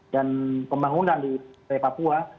dan pembangunan di papua